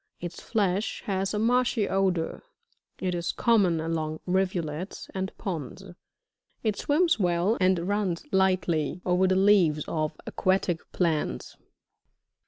Its flesh has a marshy odour. It is common along rivulets, and ponds ; it swims well and runs lightly over the leaves of aquatic plants.